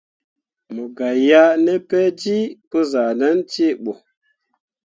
Mo gah yeah ne peljii pə zahʼnan cee ahe.